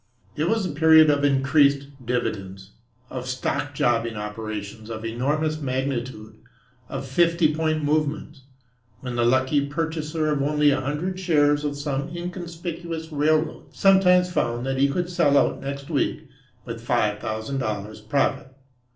It was a period of increased dividends, of stock jobbing operations of enormous magnitude, of "fifty point movements," when the lucky purchaser of only a hundred shares of some inconspicuous railroad sometimes found that he could sell out next week with five thousand dollars' profit.